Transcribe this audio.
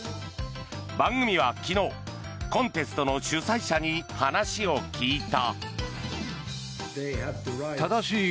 番組は昨日コンテストの主催者に話を聞いた。